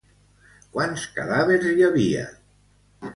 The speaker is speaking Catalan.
Quants cadàvers hi havia?